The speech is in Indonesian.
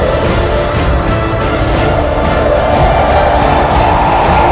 akan kau tidak melakukannya